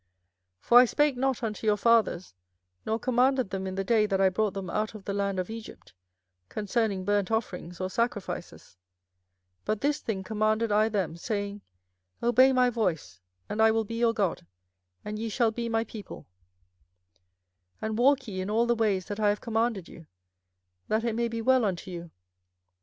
24:007:022 For I spake not unto your fathers, nor commanded them in the day that I brought them out of the land of Egypt, concerning burnt offerings or sacrifices: 24:007:023 But this thing commanded I them, saying, Obey my voice, and I will be your God, and ye shall be my people: and walk ye in all the ways that I have commanded you, that it may be well unto you.